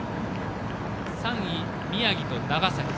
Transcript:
３位、宮城と長崎。